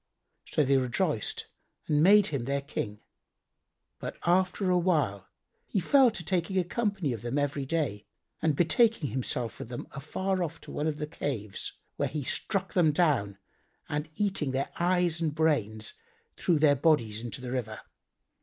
So they rejoiced and made him their King. But after awhile, he fell to taking a company of them every day and betaking himself with them afar off to one of the caves, where he struck them down and eating their eyes and brains, threw their bodies into the river.